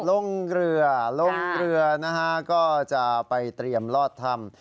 ลงเรือลงเรือนะฮะก็จะไปเตรียมลอดถ้ำ